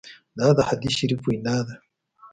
دا د حدیث شریف وینا ده.